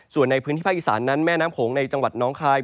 ส่วนในพื้นที่ภาคอีสานนั้นแม่น้ำโขงในจังหวัดน้องคาย